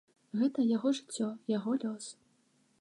Гэта яго жыццё, яго лёс.